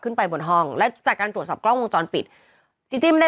ขึ้นไปบนห้องแล้วจากการตรวจสอบกล้องมุมจรปิดจี้จี้ไม่ได้